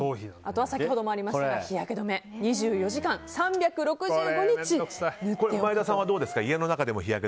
あとは先ほどもありましたが日焼け止め、２４時間３６５日前田さんはどうですか？